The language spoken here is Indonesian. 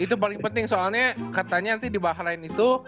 itu paling penting soalnya katanya nanti dibahas lain itu